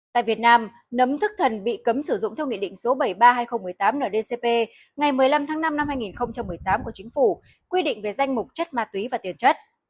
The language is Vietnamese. tại việt nam nấm thức thần bị cấm sử dụng theo nghị định số bảy trăm ba mươi hai nghìn một mươi tám ndcp ngày một mươi năm tháng năm năm hai nghìn một mươi tám của chính phủ quy định về danh mục chất ma túy và tiền chất